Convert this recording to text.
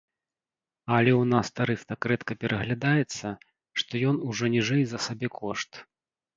Але ў нас тарыф так рэдка пераглядаецца, што ён ужо ніжэй за сабекошт.